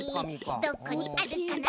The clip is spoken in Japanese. どこにあるかな？